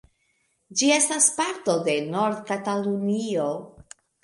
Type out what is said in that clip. Ĝi estas parto de Nord-Katalunio.